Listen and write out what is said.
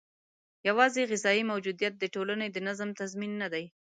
یوازې غذايي موجودیت د ټولنې د نظم تضمین نه دی.